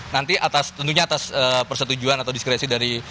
nanti tentunya atas persetujuan atau diskresi dari